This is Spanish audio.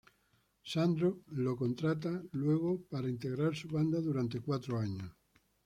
Sandro lo contrata luego para integrar su banda durante cuatro años.